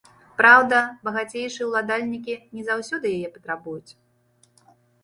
Праўда, багацейшыя ўладальнікі не заўсёды яе патрабуюць.